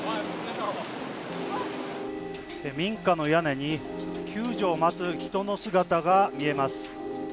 民家の屋根に救助を待つ人の姿が見えます。